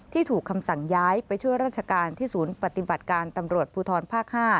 ถูกคำสั่งย้ายไปช่วยราชการที่ศูนย์ปฏิบัติการตำรวจภูทรภาค๕